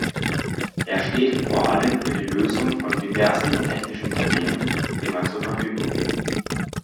Er steht vor allem für die Lösung von diversen technischen Problemen immer zur Verfügung.